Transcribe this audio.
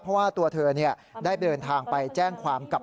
เพราะว่าตัวเธอได้เดินทางไปแจ้งความกับ